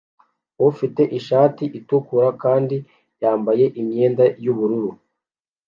ufite ishati itukura kandi yambaye imyenda yubururu